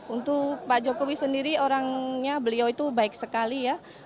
untuk pak jokowi sendiri orangnya beliau itu baik sekali ya